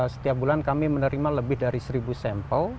setiap bulan kami menerima lebih dari seribu sampel